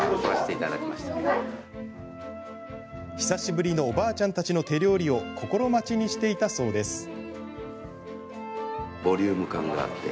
久しぶりのおばあちゃんたちの手料理を心待ちにしていたそうです。